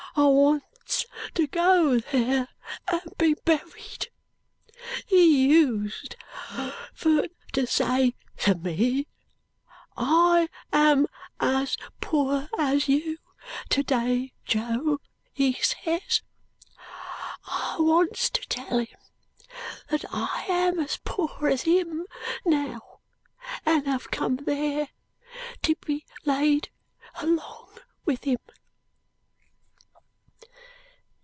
I wants to go there and be berried. He used fur to say to me, 'I am as poor as you to day, Jo,' he ses. I wants to tell him that I am as poor as him now and have come there to be laid along with him."